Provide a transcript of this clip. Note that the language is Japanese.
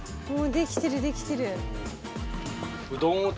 できてるできてる。